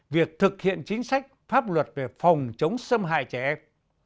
việc thực hiện chính sách pháp luật về phòng chống xâm hại trẻ em